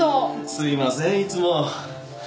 すいませんいつも